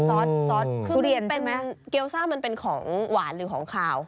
เกี๊ยซ่ามันเป็นของหวานหรือของขาว